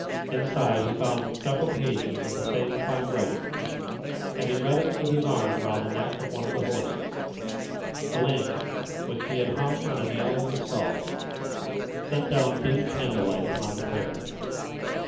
Inside he found several pages of the same fine writing, and he read it with his arm round the neck of one of the horses. The lantern, which he had hung on a nail in the stall, sent down dim candlelight upon the pair.